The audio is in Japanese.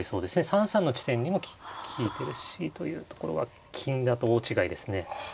３三の地点にも利いてるしというところは金だと大違いですね。